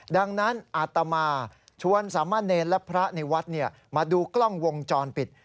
ดังนั้นอาตมาชวนสามะเนรและพระในวัดมาดูกล้องวงจรปิด